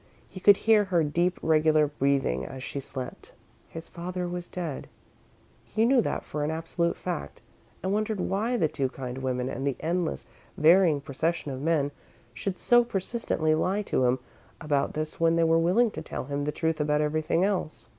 He could hear her deep, regular breathing as she slept. His father was dead he knew that for an absolute fact, and wondered why the two kind women and the endless, varying procession of men should so persistently lie to him about this when they were willing to tell him the truth about everything else.